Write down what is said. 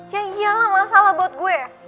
ya iyalah masalah buat gue